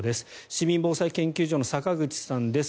市民防災研究所の坂口さんです。